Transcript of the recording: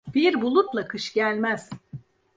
Bir bulutla kış gelmez.